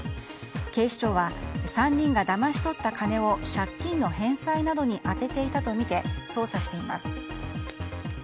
警視庁は３人がだまし取った金を借金の返済などに充てていたとみて捜査しています。